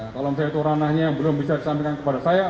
kalau misalnya itu ranahnya belum bisa disampaikan kepada saya